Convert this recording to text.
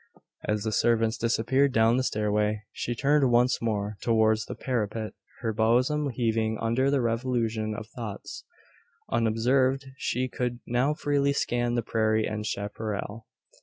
As the servants disappeared down the stairway, she turned once more towards the parapet, her bosom heaving under the revulsion of thoughts. Unobserved she could now freely scan the prairie and chapparal.